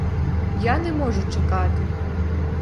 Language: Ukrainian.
Я не можу чекати.